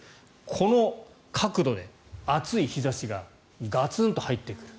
この角度で暑い日差しがガツンと入ってくる。